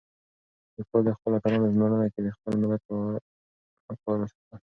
لیکوال د خپلو اتلانو په مېړانه کې د خپل ملت وقار وینه.